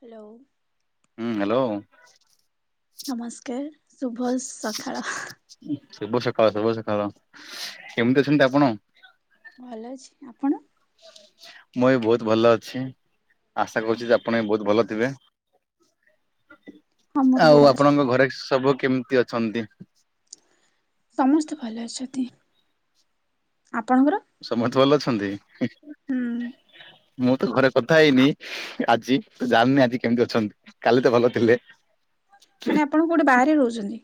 Hello hello ନମସ୍କାର, ଶୁଭ ସକାଳ ଶୁଭ ସକାଳ ଶୁଭ ସକାଳ କେମିତି ଅଛନ୍ତି ଆପଣ? ଭଲ ଅଛି । ଆପଣ? ମୁଁ ବି ବହୁତ ଭଲ ଅଛି, ଆଶା ଉଁ କରୁଛି ହୁଁ। ଯେ ଆପଣ ବି ବହୁତ ଭଲ ଥିବେ । ହଁ ମୁଁ ବହୁତ ଆଉ ଭଲ ଅଛି ଆପଣଙ୍କ ଘରେ ସବୁ କେମିତି ଅଛନ୍ତି? ସମସ୍ତେ ଭଲ ଅଛନ୍ତି, ଆପଣଙ୍କର? ସମସ୍ତେ ଭଲ ଅଛନ୍ତି । ହ [inaudible] ମୁଁ ତ ଘରେ କଥା ହେଇନି ଆଜି, ତ ଜାଣିନି ଆଜି କେମିତି ଅଛନ୍ତି? କାଲି ତ ଭଲ ଥିଲେ ମାନେ ଆପଣ କୋଉଠି ବାହାରେ ରହୁଛନ୍ତି?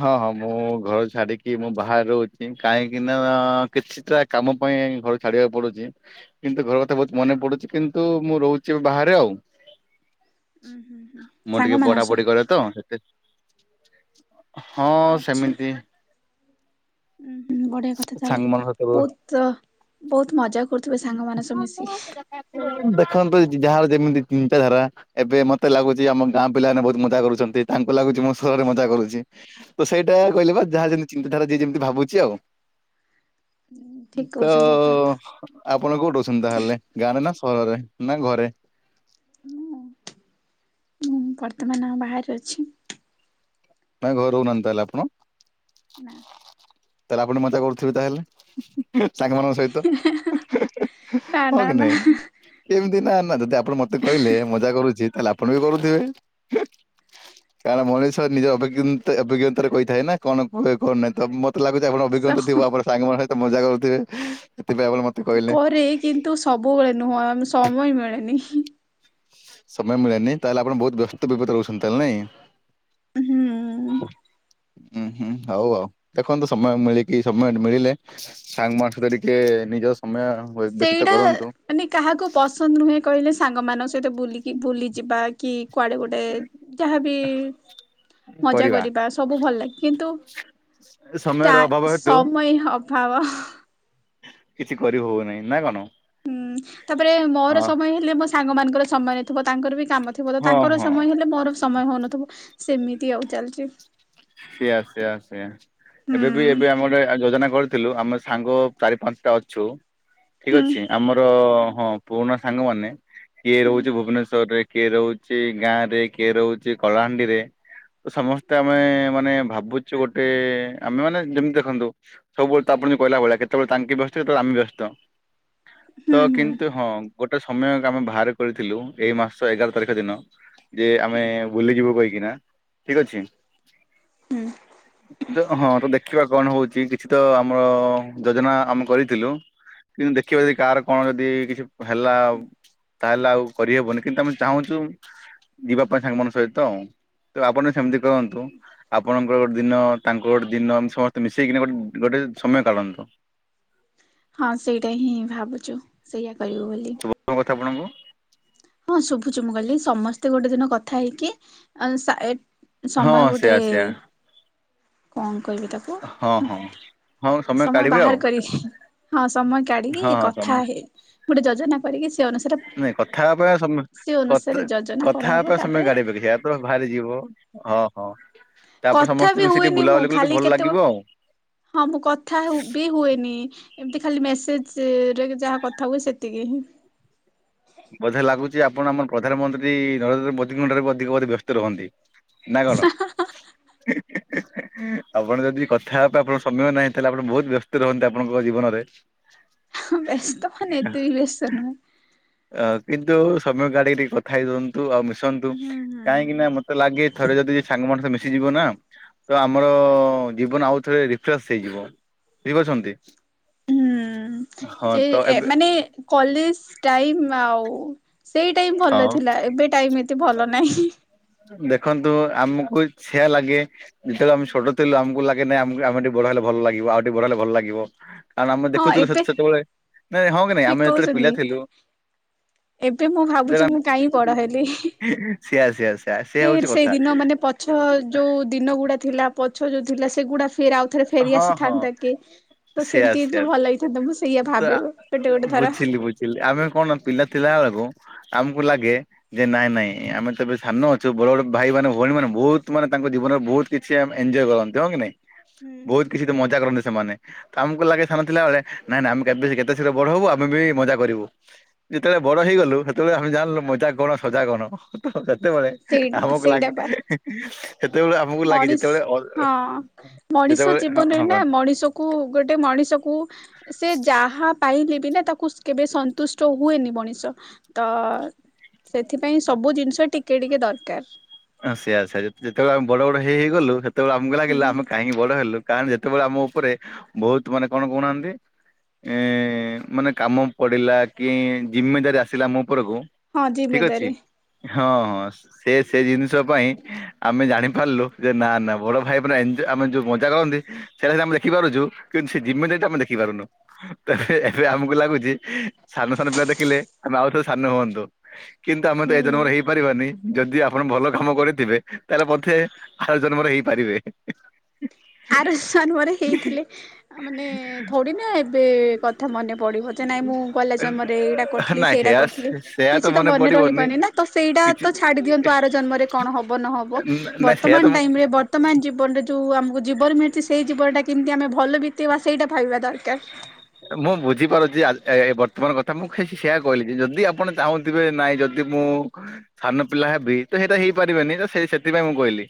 ହଁ ହଁ ମୁଁ ଘରୁ ଛାଡିକି ମୁଁ ବାହାରେ ରହୁଛି କାହିଁକି ନା-ଆ-ଆ କିଛିଟା କାମ ପାଇଁ ଏ ଘର ଛାଡିବାକୁ ପଡୁଛି କିନ୍ତୁ ଘର କଥା ବହୁତ ମନେ ପଡୁଛି କିନ୍ତୁ ମୁଁ ରହୁଛି ବାହାରେ ଆଉ। ହ ମୁଁ ଟିକେ ବଢା ବଢି କରେ ତ ସେତେ ହଁ ସେମିତି। ହୁଁ ହୁଁ ବଢିଆ କଥା ତାହେଲେ ସାଙ୍ଗମାନଙ୍କ ସହିତ ବହୁତ ବହୁତ ମଜା କରୁଥିବେ ସାଙ୍ଗମାନେ ସବୁ ମିଶିକି। ଦେଖନ୍ତୁ ଯାହାର ଯେମିତି ଚିନ୍ତାଧାରା ଏବେ ମତେ ଲାଗୁଛି ଆମ ଗାଁ ପିଲା ମାନେ ବହୁତ ମଜା କରୁଛନ୍ତି ତାଙ୍କୁ ଲାଗୁଛି ମୋ ସ ମଜା କରୁଛି ତ ସେଇଟା କହିଲେ ବା ଯାହା ଯେମିତି ଚିନ୍ତାଧାରା ଯିଏ ଯେମିତି ଭାବୁଛି ଆଉ। ଠିକ କହୁଛନ୍ତି ଆପଣ ତ-ଅ-ଅ ଆପଣ କୋଉଠି ଅଛନ୍ତି ତାହେଲେ ଗାଁରେ ନା ସ ଘରରେ ନା ଘରେ। ମୁଁ ମୁଁ ବର୍ତ୍ତମାନ ଆ ବାହାରେ ଅଛି। ନାଇ ଘରେ ରହୁ ନାହାନ୍ତି ତାହେଲେ ଆପଣ? ନା। ତାହେଲେ ଆପଣ ମଜା କରୁଥିବେ ତାହେଲେ ସାଙ୍ଗମାନଙ୍କ ସହିତ ହିଁ ହିଁ । ନା ନା ନା ହିଁ। କେମିତି ନା ନା ଯଦି ଆପଣ ମତେ କହିଲେ ମଜା କରୁଛି ତାହେଲେ ଆପଣ ବି କରୁଥିବେ। ହ କାରଣ ମଣିଷ ନିଜର ଅଭିଜ୍ଞତା ଅଭିଜ୍ଞତା ରେ କହିଥାଏ ନା କଣ ଫଳେ କଣ ନାହିଁ ତ ମ ତେ ଲାଗୁଛି ଆପଣ ଅଭିଜ୍ଞତା ଥିବ ଆପଣ ସାଙ୍ଗମାନେ ସହିତ ମଜା କରୁଥିବେ। ସେଥିପାଇଁ ଆପଣ ମତେ କହିଲେ। କରେ କିନ୍ତୁ ସବୁବେଳେ ନୁହଁ ଆ ସମୟ ମିଳେନି। ସମୟ ମିଳେନି ତାହେଲେ ଆପଣ ବହୁତ ବ୍ୟସ୍ତ ବ୍ୟପତ ରହୁଛନ୍ତି ତାହେଲେ ନାଇଁ। ହୁଁ ହଁ ହୁଁ ହୁଁ ହଉ ଆଉ। ଦେଖନ୍ତୁ ସମୟ ମିଳିକି ସମୟ ମିଳିଲେ ସାଙ୍ଗ ମା ଙ୍କ ସହ ଟିକେ ନିଜ ସମୟ ବ୍ୟତୀତ ସେଇଟା କରନ୍ତୁ। ମାନେ କାହାକୁ ପସନ୍ଦ ନୁହେଁ କହିଲେ ସାଙ୍ଗ ମାନଙ୍କ ସହିତ ବୁଲିକି ବୁଲି ଯିବା କି କୁଆଡେ ଗୋଟେ ଯାହାବି-ଇ-ଇ ମଜା କରିବା ସବୁ ଭଲ ଲାଗେ କିନ୍ତୁ ସମୟର ତା ଅଭାବ ହେତୁ ସମୟ ହବ। କିଛି କରି ହଉନାହିଁ ନା କଣ। ହୁଁ ତାପରେ ମୋର ହଁ ସମୟ ହେଲେ ମୋ ସାଙ୍ଗ ମାନଙ୍କର ସମୟ ନ ଥିବ ତାଙ୍କର ବି କାମ ଥିବ ତ ହଁ ତାଙ୍କର ହଁ ସମୟ ହେଲେ ମୋର ସମୟ ହଉନଥିବ ସେମିତି ଆଉ ଚାଲିଛି। ସେଆ ସେଆ ସେୟା ହୁଁ ଏବେ ବି ଏବେ ଆମ ଗୋଟେ ଯୋଜନା କରି ଥିଲୁ ଆମ ସାଙ୍ଗ ଚାରି ପାଞ୍ଚଟା ଅଛୁ ଠିକ ହୁଁ ଅଛି ଆମର-ଅ-ଅ-ଅ ହଁ ପୁରୁଣା ସାଙ୍ଗମାନେ କିଏ ହୁଁ ରହୁଛି ଭୁବନେଶ୍ଵରରେ, କିଏ ରହୁଛି ଗାଁ ରେ, କିଏ ରହୁଛି କଳାହାଣ୍ଡି ରେ। ତ ସମସ୍ତେ ଆମେ ମାନେ ଭାବୁଛୁ ଗୋଟେ-ଏ-ଏ ଆମେ ମାନେ ଯେମିତି ଦେଖନ୍ତୁ ସବୁବେଳେ ଆପଣ ଯ କହିଲା ଭଳିଆ କେତେବେଳେ ତାଙ୍କେ ବ୍ୟସ୍ତ ସେତେବେଳେ ଆମେ ବ୍ୟସ୍ତ ତ ହୁଁ ହୁଁ କିନ୍ତୁ ହଁ। ଗୋଟେ ସମୟ ଆମେ ବାହାର କରିଥିଲୁ ଏଇ ମାସ ଏଗାର ତାରିଖ ଦିନ ଯେ ଆମେ ବୁଲିଯିବୁ କହି କିନା ଠିକ ଅଛି ହୁଁ ତ ହଁ ତ ଦେଖିବା କଣ ହଉଛି କିଛିିତ ଆମର ଯୋଜନା ଆମେ କରିଥିଲୁ। କିନ୍ତୁ ଦେଖିବା ଯଦି କାହାର କଣ ଯଦି କିଛି ହେଲା ତାହେଲେ ଆଉ କରିହବନି କିନ୍ତୁ ଆମେ ଚାହୁଁଛୁ ଯିବା ପାଇଁ ସାଙ୍ଗମାନଙ୍କ ସହିତ। ତ ଆପଣ ସେମିତି କରନ୍ତୁ ଆପଣଙ୍କର ଗୋଟେ ଦିନ ତାଙ୍କ ଗୋଟେ ଦିନ ସମସ୍ତେ ମିଶେଇକିନା ଗୋଟେ ଗୋଟେ ସମୟ କାଢ଼ନ୍ତୁ। ହଁ ସେଇଟା ହିଁ ଭାବୁଛୁ ସେଇୟା କରିବୁ ବୋଲି। ଶୁଭ ମୋ ଆପଣଙ୍କୁ ହଁ ଶୁଭୁଛି ମୁଁ କହିଲି ସମସ୍ତେ ଗୋଟେ ଦିନ କଥା ହେଇକି ଆ-ଆ-ସା ହଁ ସମୟ ସେୟା ସେୟା ଗୋଟେ-ଏ-ଏ କଣ କହିବି ତାକୁ ହଁ ହଁ। ହଁ ସମୟ କାଢିବେ ଆଉ ବାହାର କରି ହିହିଁ। ହଁ ସମୟ ହଁ କାଢିକି ହଁ ସମ କଥା ହେଇ ଗୋଟେ ଯୋଜନା କରିକି ଯି ନାଇଁ କଥା ହବା ପରା ତା ସମେ କଥେ ଅନୁସାରେ ଯୋଜନା କଥା ହବା କରାହବ ପାଇଁ ସମୟ ତାପରେ ଗାଡି ପଖି ଯିବା ତ ବାହାରି ଯିବ ହଁ, ହଁ। ତାପରେ କଥା ବି ସମସ୍ତେ ମିଶି ଟିକେ ହୁଏନି ମୁଁ ବୁଲାବୁଲି କଲେ ଟିକେ ଖାଲି ଭଲ କେତେ ଲାଗିବ। ହଁ ମୁଁ କଥା ହୁ ବି ହୁଏନି। ଏମିତି ଖାଲି ମେସେଜ୍ ରେ ଯାହା କଥା ହୁଏ ସେତିକି ହିଁ। ବୋଧେ ଲାଗୁଚି ଆପଣ ଆମର ପ୍ରଧାନମନ୍ତ୍ରୀ ନରେନ୍ଦ୍ର ମୋଦିଙ୍କ ଠାରୁ ବି ଅଧିକ ବୋଧେ ବ୍ୟସ୍ତ ରହନ୍ତି? ନା କଣ? ଆପଣ ଯଦି କଥା ହେବା ପାଇଁ ଆପଣଙ୍କ ସମୟ ନାହିଁ। ତାହେଲେ ଆପଣ ବହୁତ ବ୍ୟସ୍ତ ରହନ୍ତି ଆପଣଙ୍କ ଜୀବନରେ। ବ୍ୟସ୍ତ ମାନେ ଏତେ ବି ବ୍ୟସ୍ତ ନୁହେଁ । ଅ, କିନ୍ତୁ ସମୟ ଖାଡିକି ଟିକେ କଥା ହେଇ ଦିଅନ୍ତୁ। ଆଉ ମୁଁ ସନ୍ତୁ, ହୁଁ ହୁଁ କାହିଁକି ହୁଁ। ନା ମୋତେ ଲାଗେ ଥରେ ଯଦି ସାଙ୍ଗମାନ ସହ ମିଶିଯିବ ନା ତ ଆମର ହଁ ଜୀବନ ଆଉ ଥରେ ରିଫ୍ରେସ ହେଇଯିବ ବୁଝିପାରୁଛନ୍ତି। ହୁଁ, ହଁ ଯେ ତ ଏ ଏବେ ମାନେ କଲେଜ୍ ଟାଇମ୍ ଆଉ। ସେଇ ଟାଇମ୍ ଭଲ ହଁ ଥିଲା। ଏବେ ଟାଇମ୍ ଏତେ ଭଲ ନାହିଁ। ଦେଖନ୍ତୁ ଆମକୁ ଛିଆ ଲାଗେ। ଯେତେବେଳେ ଆମେ ଛୋଟ ଥିଲୁ ଆମକୁ ଲାଗେ ନାଇଁ ଆମକୁ ଆମେ ଟିକେ ବଡ ହେଲେ ଭ ଭଲ ଲାଗିବ। ଆଉ ଟିକେ ବଡ ହେଲେ ଭଲ ଲାଗିବ। କାରଣ ଆମେ ହଁ ଦେଖୁଥୁଲୁ ସେ ଏବେ ସେତେବେଳେ ନାଇଁ ହଁ କି ନାଇଁ ଠିକ ଆମେ ଯେତେବେଳେ ପିଲା କହୁଛନ୍ତି। ଥିଲୁ ଏବେ ମୁଁ ଭାବୁଛି ମୁଁ [unintelligible] କାହିଁ ସିଆ ସିଆସ। ଫେର୍ ସେଇ ଦିନ ମାନେ ପଛ ଯୋଉ ଦିନ ଗୁଡା ଥିଲା ପଛ ଯୋଉ ଥିଲା ସେଗୁଡା ଫେର୍ ଆଉଥରେ ଫେରି ଆସିଥାନ୍ତା କି। ତ ସିଆ ସେମିତି ହେଇଥିଲେ ଭଲ ହେଇଥାନ୍ତା ମୁଁ ସେଇଆ ସେୟର ତ ଭାବେ ଆ, ଗୋଟେ ଗୋଟେ ଥର। ବୁଝିଲି ବୁଝିଲି ଆମେ କଣ ପିଲା ଥିଲା ବେଳକୁ ଆମକୁ ଲାଗେ ଯେ ନାଇଁ ନାଇଁ ଆମେ ତ ଏବେ ସାନ ଅଛୁ। ବଡ ବଡ ଭାଇ ମାନେ ଭଉଣୀ ମାନେ ବହୁତ ମାନେ ତାଙ୍କ ଜୀବନରେ ବହୁତ କିଛି ଆମେ ଏନଜୟ କରନ୍ତି ହଁ କି ନାଇଁ? ହୁଁ ବହୁତ କିଛି ତ ମଜା କରନ୍ତି ସେମାନେ। ଆମକୁ ଲାଗେ ସାନ ଥିଲା ବେଳେ ନାଇ ନାଇ ଆମକୁ ଏବେ ସେ କେତେ ଶୀଘ୍ର ବଡ ହବୁ ଆମେ ବି ମଜା କରିବୁ। ଯେତେବେଳେ ବଡ ହେଇଗଲୁ ସେତେବେଳେ ଆମେ ଜାଣିଲୁ ମଜା କଣ ସଜା କଣ। ସେତେବେଳେ ସେଇ ଆମକୁ ଲାଗେ ସେଇଟା ପା ସେତେବେଳେ ଆମକୁ ଲାଗେ ମଣିଷ ଯେତେବେଳେ ଅର୍ ହଁ ଅ ମଣିଷ ଜୀବନରେ ନା ମଣିଷକୁ ଗୋଟେ ମଣିଷକୁ ସେ ଯାହା ପାଇଲି ବିନା ତାକୁ କେବେ ସନ୍ତୁଷ୍ଟ ହୁଏନି ମଣିଷ। ତ ସେଥିପାଇଁ ସବୁ ଜିନିଷ ଟିକେ ଟିକେ ଦରକାର। ଅଁ, ସେଆ ସେଆ ଯେତେବେଳେ ଆମେ ବଡ ବଡ ହେଇ ହେଇ ଗଲୁ ସେତେବେଳେ ଆମକୁ ଲାଗିଲା ହୁଁ ଆମେ କାହିଁକି ବଡ ହେଲୁ। କାରଣ ଯେତେବେଳେ ଆମ ଉପରେ ବହୁତ ମାନେ କଣ କହୁନାହାନ୍ତି? ଏ ମାନେ କାମ ପଡିଲା କି ଜିମିଦାରି ଆସିଲା ମୁଁ ଉପରକୁ ହଁ ଠିକ ଅଛି ଜିମେଦାରି ହଁ ହଁ ସେ ସେ ଜିନିଷ ପାଇଁ ଆମେ ଜାଣିପାରିଲୁ ଯେ ନା ନା ବଡ ଭାଇ ମାନେ ଏନଜ ଆମେ ଯୋଉ ମଜା କରନ୍ତି ସେଇଟା ସିନା ଆମେ ଲେଖିପାରୁଛୁ। କିନ୍ତୁ ସେ ଜିମିଦାରି ଟା ଆମେ ଦେଖିପାରୁନୁ। ତ ଏବେ ଏବେ ଆମକୁ ଲାଗୁଚି ସାନ ସାନ ପିଲା ଦେଖିଲେ ଆମେ ଆଉଥରେ ସାନ ହୁଅନ୍ତୁ। କିନ୍ତୁ ଆମେ ତ ଏ ହୁଁ। ଜନମର ହେଇପାରିବାନି। ଯଦି ଆ ଆପଣ ଭଲ କାମ କରିଥିବେ ତାହେଲେ ବୋଧେ ଆରଜନମର ହେଇପାରିବେ। ଆରସନମରେ ହେଇଥିଲେ ଆ, ମାନେ ଥଡି ନା ଏବେ କଥା ମନେ ପଡିବ ଯେ। ନାଇଁ ମୁଁ ଗଲା ଜନ୍ମରେ ଏଇଟା କରିଥିଲି, ନାଇଁ ସେଇଟା ହେୟା କରିଥିଲି। କିଛି ତ ମନେ ରହିବନି ନା ତ ସେଇଟା କିଛି ତ ଛାଡି ଦିଅନ୍ତ ତୁ ଆର ଜନ୍ମରେ କଣ ହବ ନ ହବ। ନାଇଁ ସେୟା ବର୍ତ୍ତମାନ ତ ମୁଁ ଟାଇମ୍ ରେ ବର୍ତ୍ତମାନ ଜୀବନରେ ଯୋଉ ଆମ ଜୀବନ ମିଳିଚି ସେଇ ଜୀବନଟା କେମିତି ଆମେ ଭଲ ବିତେଇବା ସେଇଟା ଭାବିବା ଦରକାର। ମୁଁ ବୁଝିପାରୁଚି ଆ, ଏ ବର୍ତ୍ତମାନ କଥା ମୁଁ ଖିଛି ସେୟା କହିଲି କି ଯଦି ଆପଣ ଚାହୁଁଥିବେ ନାଇଁ ଯଦି ଦି, ମୁଁ ସାନ ପିଲା ହେବି ତ ସେଟା ହେଇପାରିବନି। ତ ସେ ସେଥିପାଇଁ ମୁଁ କହିଲି।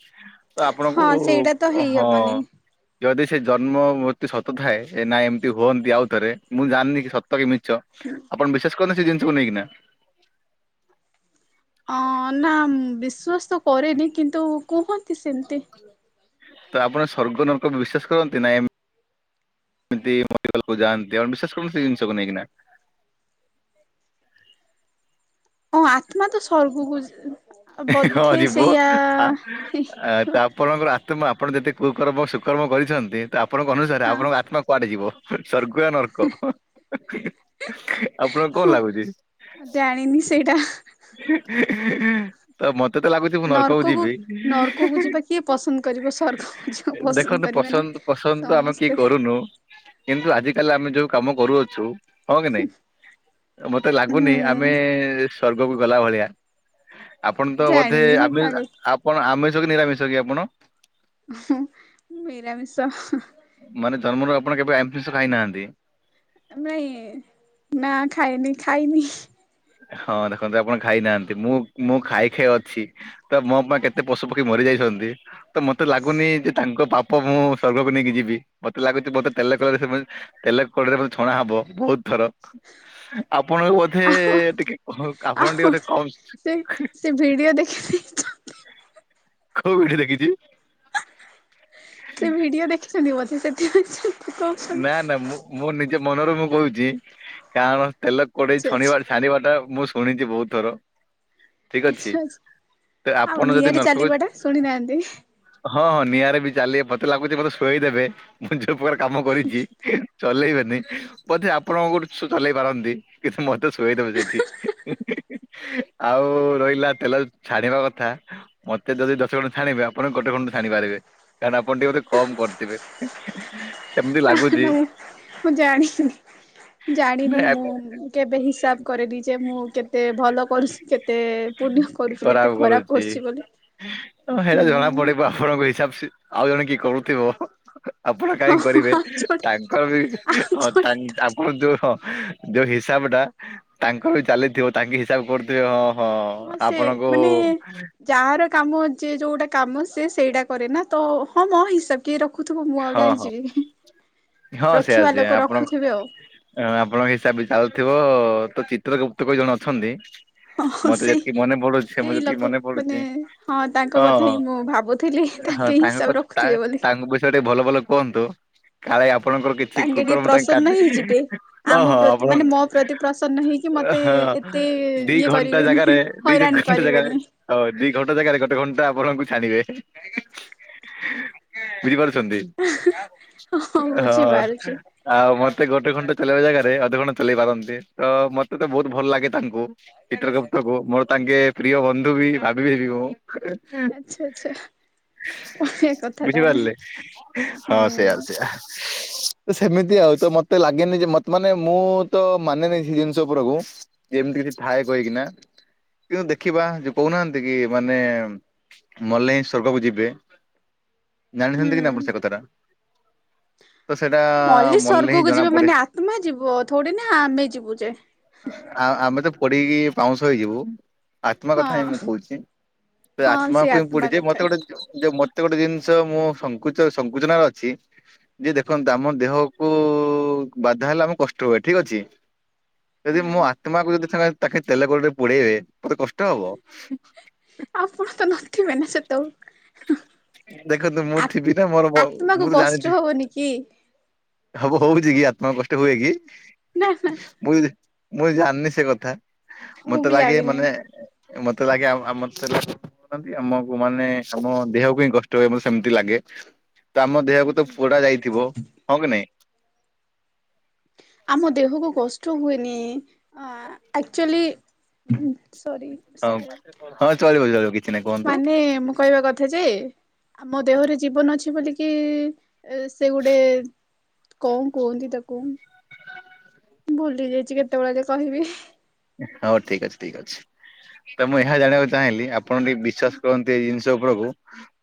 ତ ଆପଣଙ୍କୁ ହଁ ସେଇଟା ତ ଅ, ହଁ ହେଇହବନି ଯଦି ସେ ଜନ୍ମ ମୃତ୍ୟୁ ସତ ଥାଏ ।ଏ ନା ଏମିତି ହୁଅନ୍ତି ଆଉଥରେ ମୁଁ ଜାଣିନି କି ସତ କି ମି ଛ ଆପଣ ବିଶ୍ୱାସ କରନି ସେ ଜିନିଷକୁ ନେଇକିନା। ଅଁ, ନା ବିଶ୍ଵାସ ତ କରେନି କିନ୍ତୁ କୁହନ୍ତି ସେମିତି। ତ ଆପଣ ସ୍ବର୍ଗ ନର୍କ ବିଶ୍ଵାସ କରନ୍ତି ନା ଏମ୍ ଏମିତି [unintelligible] ଯାଆନ୍ତି ଆ ବିଶେଷ କୌଣସି ଜିନିଷକୁ ନେଇକିନା ଓ ଆତ୍ମା ତ ସର୍ଗକୁ ଜ ହଁ ଯିବ ଆ ତା ଆପଣଙ୍କର ଆତ୍ମା ଆପଣ ଯେତେ କୁକର୍ମ ସୁକର୍ମ କରିଛନ୍ତି ତ ଆପଣଙ୍କ ଅନୁସାରେ ହଁ ଆପଣଙ୍କ ଆତ୍ମା କୁଆଡ଼େ ଯିବ ସର୍ଗୁ ଆ ନର୍କ ଆପଣଙ୍କୁ କଣ ହୁଁ ଲାଗୁଚି? ଜାଣିନି ସେଇଟା ତ ମତ ତତେ ଲାଗୁଛି ମୁଁ ନର୍କ କୁ ନର୍କକୁ ଯିବି ନର୍କକୁ ଯିବା କିଏ ପସନ୍ଦ କରିବ ସ୍ୱର୍ଗକୁ ଯିବା ପସନ୍ଦ ଦେଖନ୍ତୁ କରିବେ ନା ପସନ୍ଦ ପସନ୍ଦ ତ ଆମେ କି ସମସ୍ତେ କରୁନୁ କିନ୍ତୁ ଆଜି କାଲି ଆମେ ଯୋଉ କାମ କରୁଅଛୁ ହଁ କି ନାଇଁ ମତେ ହୁଁ ଲାଗୁନି ଆମେ ସ୍ୱର୍ଗକୁ ଗଲା ଭଳିଆ ଆପଣ ତ ବୋଧେ ଜାଣିନି ଆମେ ସେଇଟା ଆଗକୁ ଆପଣ ଆମେ ସ କି ନିରାମିଷ କି ଆପଣ? ନିରାମିଷ ତା ମାନେ ଆପଣ କେବେ ଆମିଷ ଖାଇନାହାନ୍ତି। ନାଇଁ ନା ଖାଇନି ଖାଇନି। ହଁ ଦେଖନ୍ତୁ ଆପଣ ଖାଇନାହାନ୍ତି ମୁଁ ମୁଁ ଖାଇ ଖାଇ ଅଛି ତ ମୋ ପାଇଁ କେତେ ପଶୁ ପକ୍ଷୀ ମରିଯାଇ ଛନ୍ତି ତ ମତେ ଲାଗୁନି ଯେ ତାଙ୍କ ପାପ ମୁଁ ସର୍ଗକୁ ନେଇକି ଯିବି ମତେ ଲାଗୁଚି ମତେ ତେଲ କଡେ ତ ସେ ମୋତେ ତେଲ କଢ଼େଇ ରେ ବୋଧେ ଛଣା ହବ ବହୁତ ଥର ଆପଣଙ୍କୁ ବୋଧେ ଆଉ ଟିକେ ହଁ ଆପଣ ଟିକେ ଆଉ ବୋଧେ ସେ କମ ସେ ଭିଡିଓ ଦେଖିନି ତ କୋଉଠି ଦେଖିଚି? ସେ ଭିଡିଓ ଦେଖିଛନ୍ତି ବୋଧେ ସେଥି ପାଇଁ ସେ ନା ନା ମୁଁ ମୁଁ ନିଜ ମନରେ ମୁଁ କହୁଛି କାରଣ ତେଲ କଡେଇ ଆଚ୍ଛା ଆଚ୍ଛା ଛଣିବ ଛାଣିବା ଟା ମୁଁ ଶୁଣିଛି ବହୁତ ଥର ଠିକ ଅଛି ଆଚ୍ଛା ଆଚ୍ଛା ତ ଆଉ ଆପଣ ଯଦି ନିଆଁରେ ନର୍କ କୁ ଚାଲିବାଟା ଶୁଣିନାହାନ୍ତି ହଁ ହଁ ନିଆରେ ବି ଚାଲି ମତେ ଲାଗୁଛି ମତେ ସୋଇ ଦେବେ ମୁଁ ଯୋଉ ପ୍ରକାର କାମ କରିଚି ଚଲେଇବେନି ବୋଧେ ଆପଣଙ୍କ ଠୁ ଚଲେଇ ପାରନ୍ତି କିଛି ମ ମୋତେ ଶୁୋଇଦେବେ ସେଠି। ଆଉ ରହିଲା ତେଲ ଛାଣିବା କଥା ମତେ ଯଦି ଦଶ ଖଣ୍ଡେ ଛାଣିବେ ଆପଣ ଗୋଟେ ଖଣ୍ଡ ଛାଣି ପାରିବେ କାରଣ ଆପଣ ଟିକେ ବୋଧେ କମ କରିଥିବେ। ସେମିତି ନା ଲାଗୁଛି ନା ମୁଁ ମୁଁ ଜାଣିନି ନା ଜାଣିନି ମୁଁ କେବେ ହିସାବ କରିନି ଯେ ମୁଁ କେତେ ଭଲ କରୁଛି କେତେ ପୁଣ୍ୟ କରୁଚି କେତେ ଖରାପ କରିଚି ବୋଲି ହେରା ଜଣା ହୁଁ ପଡିବ ଆପଣଙ୍କ ହିସାବ ସେ ଆଉ ଜଣେ କିଏ କରୁଥିବ। ଆପଣ କାହିଁ ହଁ କରିବେ ଆଉ ଜଣେ ତାଙ୍କର ବି ଆଉ ହଁ ଜଣେ ତ ତାଙ୍କ ଆପଣ ଯୋଉ ହଁ। ଯୋଉ ହିସାବ ଟା ତାଙ୍କ ବି ଚାଲିଥିବ ତାଙ୍କ ହିସାବ କରୁଥିବେ ହଁ। ହଁ ସେ ଆପଣଙ୍କୁ ମାନେ ଯାହାର କାମ ଯେ ଯୋଉଟା କାମ ସେ ସେଇଟା କରେ ନା ତ ହଁ ମୋ ହିସାବ କି ରଖ ଦେଖୁଥିବ ମୁଁ ଆଉ ହଁ ହଁ। ଜାଣିଛି କି ହଁ ସେଆ ରଖିବା ସେଆ ଲୋକ ଆପଣ ରଖୁଥିବେ ଆଉ ଆପଣଙ୍କ ହିସାବରେ ଚାଲୁଥିବ ତ ଚିତ୍ର ଗୁପ୍ତ ପରି ଜଣେ ଅଛନ୍ତି ହଁ ମତେ ସେଇ ଯେତିକି ମନେ ପଡୁଛି ମୁଁ ସେଇ ଯେତିକି ଲୋକ ମନେ ମାନେ ପଡୁଚି ହଁ ତାଙ୍କ କଥା ହଁ। ହିଁ ମୁଁ ଭାବୁଥିଲି ହଁ ତାଙ୍କେ ତାଙ୍କ ହିସାବ ତାଙ୍କ ରଖୁଥିବେ ବୋଲି। ତାଙ୍କ ବିଷୟରେ ଟିକେ ଭଲ ଭଲ କୁହନ୍ତୁ କାଳେ ଆପ ଆପଣଙ୍କର କିଛି ତାଙ୍କେ ଟିକେ କୁକୁରମ ପାଇଁ କା ପ୍ରସନ୍ନ ହେଇଯିବେ। ହଁ ଆମ ହଁ ପ୍ରତି ମାନେ ଆପଣଙ୍କ ମୋ ପ୍ରତି ପ୍ରସନ୍ନ ହେଇକି ହ ମତେ ହ ଏତେ ଦି ଇଏ ଘଣ୍ଟା କରିବେନି। ଜାଗାରେ ଦି ଦ ହଇରାଣ ଘଣ୍ଟା ଜାଗାରେ କରିବେନି ହଉ ଦି ଘଣ୍ଟା ଜାଗାରେ ଗୋଟେ ଘଣ୍ଟା ଆପଣଙ୍କୁ ଛାଣିବେ ବୁଝିପାରୁ ଚନ୍ତି ହଁ ହଁ ବୁଝିପାରୁଛି ଆଉ ମତେ ମତେ ଗୋଟେ ଘଣ୍ଟା ଚଲେଇବା ଜାଗାରେ ଅଧଘଣ୍ଟେ ଚଲେଇ ପାରନ୍ତି ତ ମତେ ତ ବହୁତ ଭଲ ଲାଗେ ତାଙ୍କୁ ଚିତ୍ର ଗୁପ୍ତ ତ ଙ୍କୁ ମୋର ତାଙ୍କେ ପ୍ରିୟ ବନ୍ଧୁ ବି ଭାବିବି ମୁଁ ଆଚ୍ଛା ଆଚ୍ଛା। ବଢିଆ କଥା ତାହେଲେ ବୁଝିପାରିଲେ? ହଁ ସେଇୟାର ହୁଁ ସେୟ ତ ସେମିତି ଆଉ ତ ମତେ ଲାଗେନି ଯେ ମତେ ମାନେ ମୁଁ ତ ମାନେନିଁ ସେ ଜିନିଷ ଉପରକୁ ଯେମିତି କିଛି ଥାଏ କହିକିନା। କିନ୍ତୁ ଦେଖିବା ଯୋଉ କହୁନାହାନ୍ତି କି ମାନେ ମଲ ହିଁ ସ୍ଵର୍ଗକୁ ଯିବେ। ହୁଁ। ଜାଣିଛନ୍ତି ନା ସେ କଥା ତା ମଲେ ସ୍ଵର୍ଗକୁ ଜଣା ଯିବେ ପଡେ। ମାନେ ଆତ୍ମା ଯିବ ଥଡି ନା ଆମେ ଯିବୁ ଯେ ଆଉ ଆମେ ତ ପଡିକି ପାଉଁଶ ହେଇଯିବୁ। ଆତ୍ମା କଥା ହିଁ ହଁ ମୁଁ କହୁଛି ହଁ ସେ ଆତ୍ମାକୁ ହିଁ ଆତ୍ମା ପଡିଛି କଥା ମତେ ଗୋଟେଉ ମତେ ଗୋଟେ ଜିନିଷ ମୁଁଚ ସଙ୍କୁଚନରେ ଅଛି ଯେ ଦେଖନ୍ତ ଆମ ଦେହକୁ ବାଧା ହେଲେ ଆମ କଷ୍ଟ ହୁଏ ଠିକ ଅଛି। ଯଦି ହୁଁ। ମୁଁ ଆତ୍ମା କୁ ଯଦି ତାଙ୍କେ ତେଲ ଗୋରେ ପୋଡେଇବେ ମତେ କଷ୍ଟ ହବ। ଆପଣ ତ ନଥିବେନା ସେତକୁ ଦେଖନ୍ତୁ ମୁଁ ଥିବି ନା ମୋର ଆତ୍ମାକୁ ମୁଁ ତ କଷ୍ଟ ଜାଣିଥିଲ ହବନି କି? ହବ ହଉଛି କି ଆତ୍ମ କଷ୍ଟ ହୁଏ କି ନା ନା ମୁଁ ମୁଁ ଜାଣିନି ସେ କଥା। ମୁଁ ମତେ ବି ଲାଗେ ଜାଣିନି। ମାନେ ମତେ ଲାଗେ ଆମେ ଆମକୁ ମାନେ ଆମ ଦେହକୁ ହି କଷ୍ଟ ହୁଏ ସେମିତି ଲାଗେ ତ ଆମ ଦେହକୁ ତ ପୋଡା ଯାଇଥିବ ହଁ କି ନାଇଁ? ଆମ ଦେହକୁ କଷ୍ଟ ହୁଏନି ଅ ଆକ୍ଚୁଆଲି ସରି ହଁ ହଁ ଚଳିବ ଚଳିବ କିଛି ନାହିଁ କୁହନ୍ତୁ ମାନେ ମୁଁ କହିବା କଥା ଯେ ଆମ ଦେହରେ ଜୀବନ ଅଛି ବୋଲିକି ସେ ଗୋଟେ କଣ କୁହନ୍ତି ତାକୁ ଭୁଲି ଯାଇଛି କେତେବେଳେ ଯେ କହିବି। ହଉ ଠିକ ଅଛି ଠିକ ଅଛି। ତ ମୁଁ ଏହା ଜାଣିବାକୁ ଚାହିଁଲି ଆପଣ ଟିକେ ବିଶ୍ଵାସ କରନ୍ତି ଏଇ ଜିନିଷ ଉପରକୁ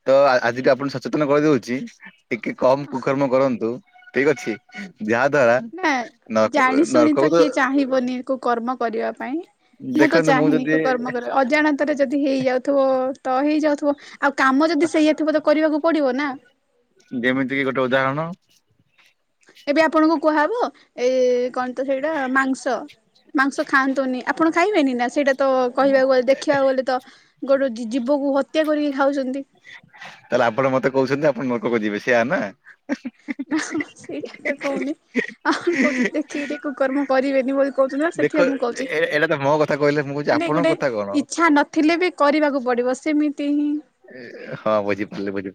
ତ ଆଜିିକ ଆପଣ ସଚେତନ କରିଦଉଛି ଟିକେ କମ କୁକର୍ମ କରନ୍ତୁ ଠିକ ଅଛି। ଯାହା ଦ୍ଵାରା ନା ନର୍କ ଜାଣି ଶୁଣି ନର୍କକୁ ତ କିଏ ଚାହିଁବନି କୋ କର୍ମ କରିବା ପାଇଁ ମୁଁ ତ ଦେଖନ୍ତୁ ଚାହିଁନି ଯଦି କର୍ମ କର ଅଜାଣତରେ ଯଦି ହେଇଯାଉଥିବ ତ ହେଇଯାଉ। ଆଉ କାମ ଯଦି ସେଇଆା ଥିବ ତ କରିବାକୁ ପଡିବ ନା। ଯେମିତି କି ଗୋଟେ ଉଦାହରଣ ଏବେ ଆପଣଙ୍କୁ କୁହାହବ ଏଇ କଣ ତ ସେଇଟା ମାଂସ ମାଂସ ଖାଆନ୍ତୁନି ଆପଣ ଖାଇବେନି ନା ସେଇଟା? ତ କହିବାକୁ ଗଲେ ଦେଖିବାକୁ ଗଲେ ତ ଗୋଟେ ଜୀବକୁ ହତ୍ୟା କରିକି ଖାଉଛନ୍ତି। ତାହେଲେ ଆପଣ ମତେ କହୁଛନ୍ତି ଆପଣ ନର୍କକୁ ଯିବେ ସେଇଆ ନା? ନା ସେଇଟା ତ କହୁନି ଆପଣ କହୁଛନ୍ତି ଦେଖିକି ଟିକେ କୁକର୍ମ କରିବେନି ବୋଲି। କହୁ ନା ଦେଖ ସେଥି ପାଇଁ ମୁଁ କହୁଛି ଏ ଏଇଟା ତ ମୋ କଥା କହିଲେ ମୁଁ କହୁଛି ମାନେ ଆପଣଙ୍କ ଗୋଟେ କଥା କଣ ଇଛା ନଥିଲେ ବି କରିବାକୁ ପଡେ। ପିବ ସେମିତି ହିଁ ହଁ ବୁଝି ପାରିଲି ବୁଝି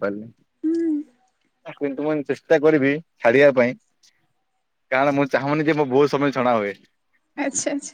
ହୁଁ ପାରିଲି। କିନ୍ତୁ ମୁଁ ଚେଷ୍ଟା କରିବି ଛାଡିବା ପାଇଁ। କାରଣ ମୁଁ ଚାହୁଁନି ଯେ ମୁଁ ବହୁତ ସମୟ ଛଣା ହୁଏ। ଆଚ୍ଛା ଆଛା।